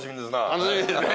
楽しみですね。